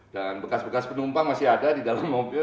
dan bekas bekas penumpang masih ada di dalam mobil